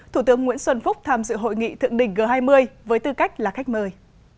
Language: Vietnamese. thủ tướng nguyễn xuân phúc tham dự hội nghị thượng đỉnh g hai mươi với tư cách là khách mời